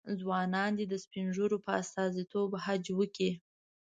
ځوانان دې د سپین ږیرو په استازیتوب حج وکړي.